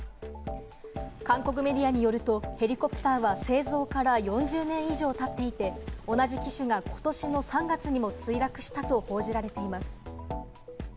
韓国メディアによると、ヘリコプターは製造から４０年以上経っていて、同じ機種がことしの３月にも墜落したと報じられています。